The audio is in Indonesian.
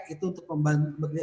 itu untuk membantu